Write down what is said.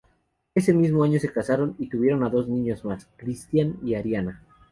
Ese mismo año se casaron y tuvieron a dos niños más: Christian y Ariana.